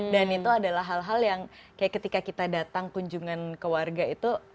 dan itu adalah hal hal yang kayak ketika kita datang kunjungan ke warga itu